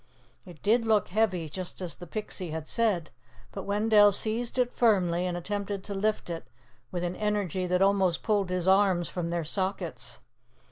It did look heavy, just as the Pixie had said, but Wendell seized it firmly, and attempted to lift it with an energy that almost pulled his arms from their sockets.